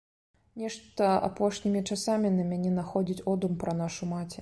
Нешта апошнімі часамі на мяне находзіць одум пра нашу маці.